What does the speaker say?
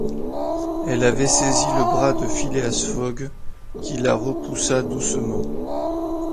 Elle avait saisi le bras de Phileas Fogg, qui la repoussa doucement.